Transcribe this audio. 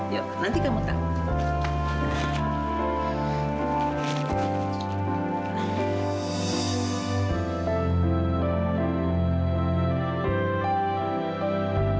yuk nanti kamu tahu